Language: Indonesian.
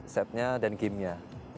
set nya dan gimnya